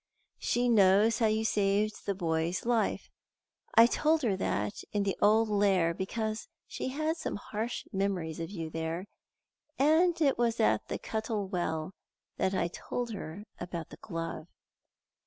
She knows how you saved the boy's life. I told her that in the old Lair because she had some harsh memories of you there; and it was at the Cuttle Well that I told her about the glove."